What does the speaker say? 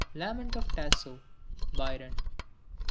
LAMENT OF TASSO. BYRON.